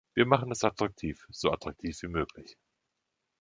Wir machen es attraktiv - so attraktiv wie möglich.